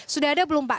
sudah ada belum pak